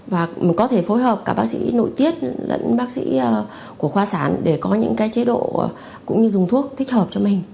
và có thể phối hợp cả bác sĩ nội tiết lẫn bác sĩ của khoa sản để có những cái chế độ cũng như dùng thuốc thích hợp cho mình